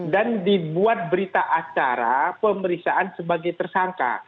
dan dibuat berita acara pemeriksaan sebagai tersangka